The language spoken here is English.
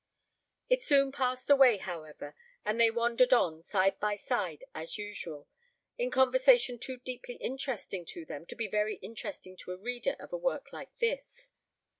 It soon passed away, however; and they wandered on, side by side as usual, in conversation too deeply interesting to them to be very interesting to a reader of a work like this.